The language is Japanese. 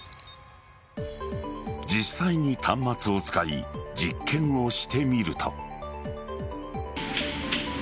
実際に端末を使い実験をしてみると。